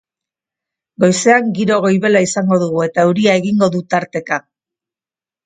Goizean giro goibela izango dugu eta euria egingo du tarteka.